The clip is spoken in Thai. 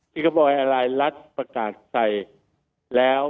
ซิงโบแอร์ไลน์รัฐประกาศใส่แล้ว๑๒๐๐๐๐๐๐